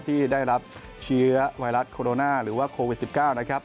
ที่ได้รับเชื้อไวรัสโคโรนาหรือว่าโควิด๑๙นะครับ